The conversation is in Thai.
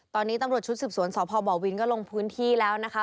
ตอนนี้ตำรวจชุดสืบสวนสพบวินก็ลงพื้นที่แล้วนะคะ